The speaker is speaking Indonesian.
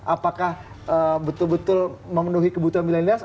apakah betul betul memenuhi kebutuhan milenials